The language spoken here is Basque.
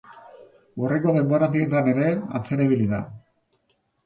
Hurrengo denboraldietan ere antzera ibili da.